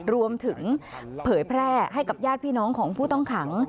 เผยแพร่ให้กับญาติพี่น้องของผู้ต้องขัง